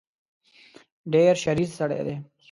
ډېر شریر سړی دی.